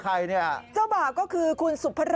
มันไม่รู้มันไม่รู้